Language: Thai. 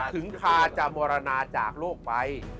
ถึงคาจะมรณาจากโลกไป